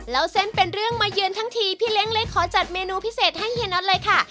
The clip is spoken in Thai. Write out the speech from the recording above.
แล้วเส้นเป็นเรื่องมาเยือนทั้งทีพี่เลี้ยงเลยขอจัดเมนูพิเศษให้เฮียน็อตเลยค่ะ